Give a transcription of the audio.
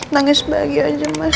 nangis bahagia aja mas